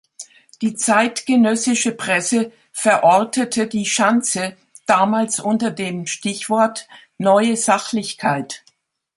Die zeitgenössische Presse verortete die „Schanze“ damals unter dem Stichwort Neue Sachlichkeit.